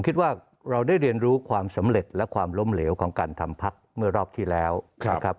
คิดว่าเราได้เรียนรู้ความสำเร็จและความล้มเหลวของการทำพักเมื่อรอบที่แล้วนะครับ